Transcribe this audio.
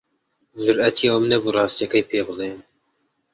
جورئەتی ئەوەم نەبوو ڕاستییەکەی پێ بڵێم.